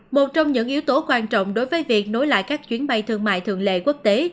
một trong những yếu tố quan trọng đối với việc nối lại các chuyến bay thương mại thường lệ quốc tế